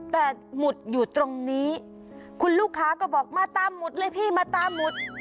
แต่หมุดอยู่ตรงนี้คุณลูกค้าก็บอกมาตามหุดเลยพี่มาตามหมุด